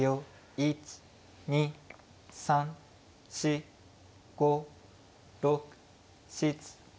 １２３４５６７８９。